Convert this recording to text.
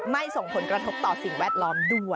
ส่งผลกระทบต่อสิ่งแวดล้อมด้วย